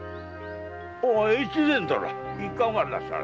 越前殿いかがなされた。